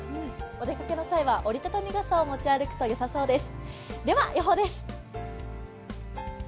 お出かけの際は折り畳み傘を持ち歩くとよさそうです。